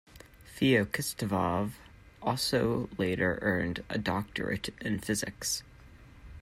Feoktistov also later earned a doctorate in physics.